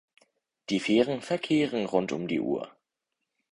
Die Fähren verkehren rund um die Uhr.